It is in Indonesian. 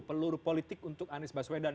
peluru politik untuk anies baswedan